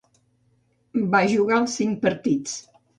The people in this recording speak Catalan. Va jugar els cinc partits.